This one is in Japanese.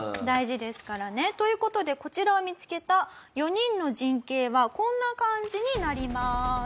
大事ですからね。という事でこちらを見つけた４人の陣形はこんな感じになります。